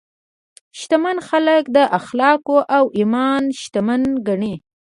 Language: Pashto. شتمن خلک د اخلاقو او ایمان شتمن ګڼي.